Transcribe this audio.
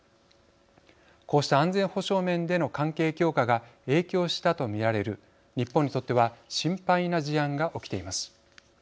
こうした安全保障面での関係強化が影響したと見られる日本にとっては心配な事案が起きています。